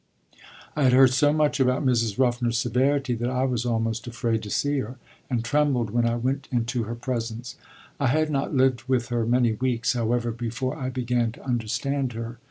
I had heard so much about Mrs. Ruffner's severity that I was almost afraid to see her, and trembled when I went into her presence. I had not lived with her many weeks, however, before I began to understand her.